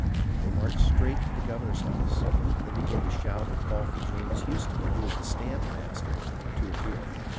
They marched straight for the governor's house and then began to shout and call for James Houston, who was the stamp master, to appear.